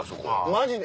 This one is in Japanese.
マジで？